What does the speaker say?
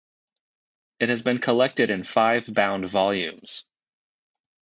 It has been collected in five bound volumes.